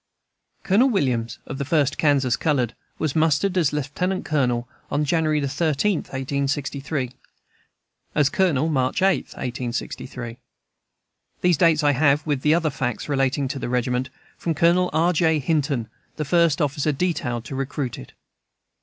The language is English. Colonel Williams, of the "First Kansas Colored," was mustered as lieutenant colonel on January 13, 1863; as colonel, March 8, 1863. These dates I have (with the other facts relating to the regiment) from Colonel R. J. Hinton, the first officer detailed to recruit it.